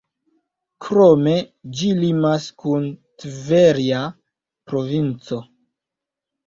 Krome, ĝi limas kun Tverja provinco.